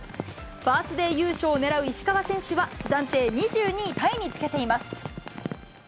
バースデー優勝を狙う石川選手は、暫定２２位タイにつけています。